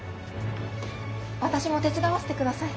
私も手伝わせてください。